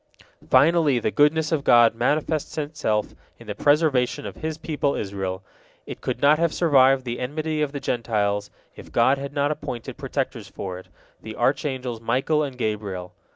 Finally, the goodness of God manifests itself in the preservation of His people Israel. It could not have survived the enmity of the Gentiles, if God had not appointed protectors for it, the archangels Michael and Gabriel.